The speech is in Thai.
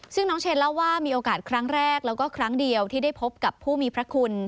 ซึ่งน้องเชนเล่าว่ามีโอกาสครั้งแรกแล้วก็ครั้งเดียวที่ได้พบกับผู้มีพระคุณ